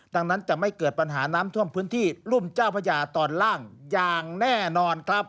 ดังนั้นจะไม่เกิดปัญหาน้ำท่วมพื้นที่รุ่มเจ้าพญาตอนล่างอย่างแน่นอนครับ